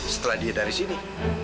setelah dia dari sini